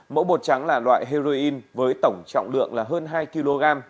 mẫu bột trắng là loại heroin với tổng trọng lượng là hơn hai kg